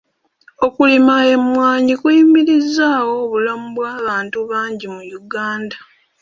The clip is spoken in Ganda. Okulima emmwanyi kuyimirizzaawo obulamu bw'abantu bangi mu Uganda.